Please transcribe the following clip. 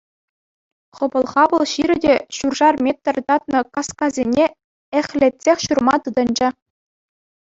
Хӑпӑл-хапӑл ҫирӗ те ҫуршар метр татнӑ каскасене эхлетсех ҫурма тытӑнчӗ.